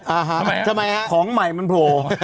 อ่าฮะทำไมฮะของใหม่มันโผล่